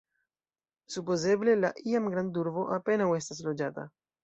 Supozeble la iam grandurbo apenaŭ estas loĝata.